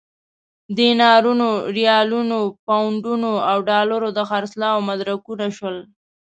دینارونو، ریالونو، پونډونو او ډالرو د خرڅلاو مدرکونه شول.